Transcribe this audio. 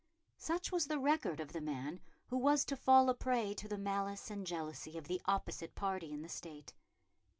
Such was the record of the man who was to fall a prey to the malice and jealousy of the opposite party in the State.